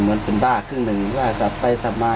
เหมือนเป็นบ้าครึ่งหนึ่งว่าสับไปสับมา